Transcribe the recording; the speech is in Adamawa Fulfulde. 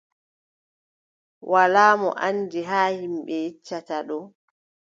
Walaa mo a anndi, haa ƴimɓe yeccata ɗo,